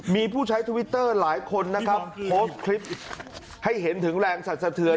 มีผู้ใช้ทวิตเตอร์หลายคนนะครับโพสต์คลิปให้เห็นถึงแรงสัดสะเทือน